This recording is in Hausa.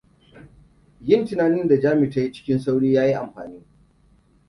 Yin tunanin da Jami ta yi cikin sauri ya yi amfani.